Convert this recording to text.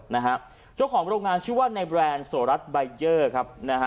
นะฮะเจ้าของโรงงานชื่อว่าในแบรนด์โสรัสใบเยอร์ครับนะฮะ